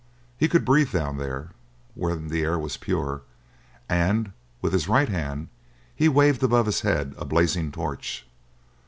He could breathe down there, when the air was pure; and with his right hand he waved above his head a blazing torch.